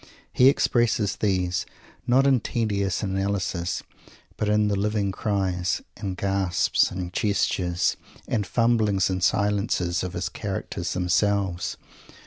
He expresses these, not in tedious analysis, but in the living cries, and gasps, and gestures, and fumblings and silences of his characters themselves.